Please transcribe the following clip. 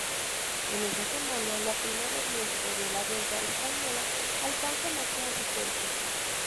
En esa semana la prima de riesgo de la deuda española alcanza máximos históricos.